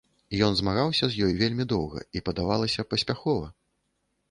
Ён змагаўся з ёй вельмі доўга і, падавалася, паспяхова.